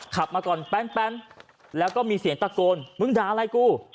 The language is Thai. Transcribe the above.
มาก่อนแป๊นแล้วก็มีเสียงตะโกนมึงด่าอะไรกู